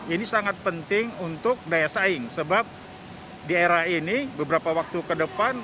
ini sangat penting untuk daya saing sebab di era ini beberapa waktu ke depan